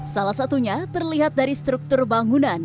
salah satunya terlihat dari struktur bangunan